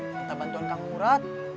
minta bantuan kang murad